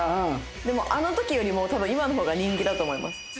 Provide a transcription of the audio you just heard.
でもあの時よりも多分今の方が人気だと思います。